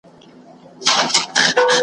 چي اسلام وي د طلا بلا نیولی .